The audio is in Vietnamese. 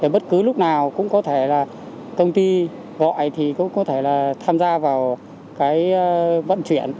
bất cứ lúc nào cũng có thể là công ty gọi thì cũng có thể là tham gia vào cái vận chuyển